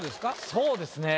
そうですね。